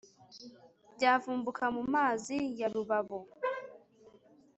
byavumbuka mu mazi ya rubabo